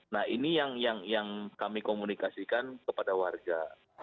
nah ini yang kami komunikasikan kepada warga